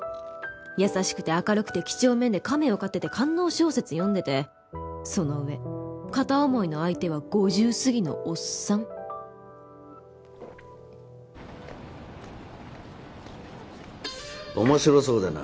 優しくて明るくて几帳面で亀を飼ってて官能小説読んでてその上片思いの相手は５０過ぎのオッサン面白そうだな。